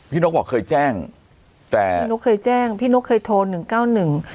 นกบอกเคยแจ้งแต่พี่นุ๊กเคยแจ้งพี่นุ๊กเคยโทรหนึ่งเก้าหนึ่ง